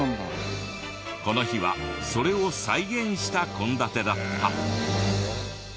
この日はそれを再現した献立だった。